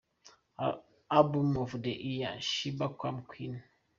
Album Of The Year Sheebah – Karma Queen.